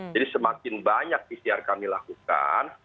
jadi semakin banyak pcr kami lakukan